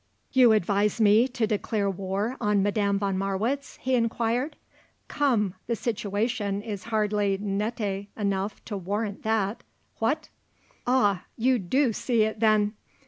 "You advise me to declare war on Madame von Marwitz?" he inquired. "Come; the situation is hardly nette enough to warrant that; what?" "Ah; you do see it then!"